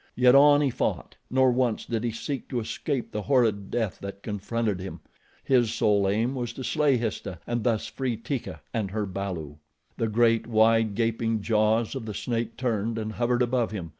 Yet on he fought, nor once did he seek to escape the horrid death that confronted him his sole aim was to slay Histah and thus free Teeka and her balu. The great, wide gaping jaws of the snake turned and hovered above him.